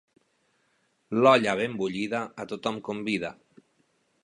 L'olla ben bullida a tothom convida.